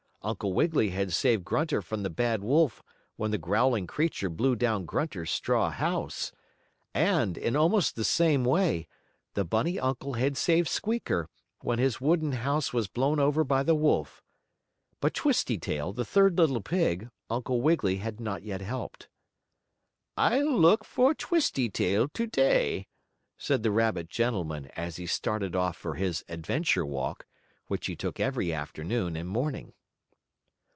Uncle Wiggily had saved Grunter from the bad wolf when the growling creature blew down Grunter's straw house. And, in almost the same way, the bunny uncle had saved Squeaker, when his wooden house was blown over by the wolf. But Twisty Tail, the third little pig, Uncle Wiggily had not yet helped. "I'll look for Twisty Tail to day," said the rabbit gentleman as he started off for his adventure walk, which he took every afternoon and morning.